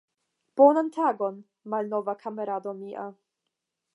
Bonan tagon, malnova kamarado mia!